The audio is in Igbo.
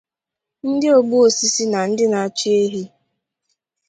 ndị ogbu osisi na ndị na-achị ehi